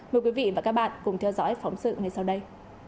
mời quý vị và các bạn cùng theo dõi phóng sự ngay sau đây